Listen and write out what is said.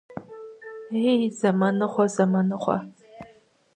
Ей, зэманыгъуэ, зэманыгъуэ!